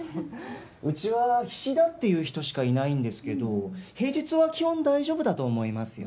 うちは菱田っていう人しかいないんですけど平日は基本大丈夫だと思いますよ。